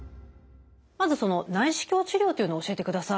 まずその内視鏡治療というのを教えてください。